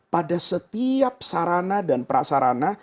pada setiap sarana dan prasarana